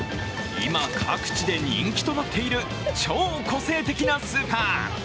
今、各地で人気となっている超個性的なスーパー。